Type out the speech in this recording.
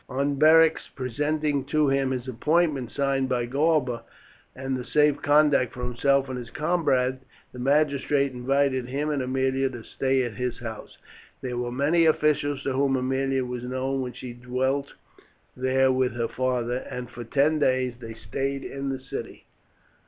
On Beric's presenting to him his appointment, signed by Galba, and the safe conduct for himself and his comrades, the magistrate invited him and Aemilia to stay at his house. There were many officials to whom Aemilia was known when she dwelt there with her father, and for ten days they stayed in the city.